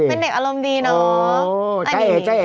เป็นเด็กอารมณ์ดีเนอะโอ้จ้าเอจ้าเออื้อ